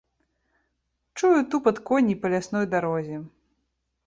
Чую тупат коней па лясной дарозе.